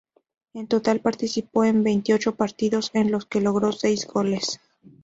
En total, participó en veintiocho partidos en los que logró seis goles.